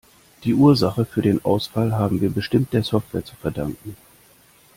Die Ursache für den Ausfall haben wir bestimmt der Software zu verdanken.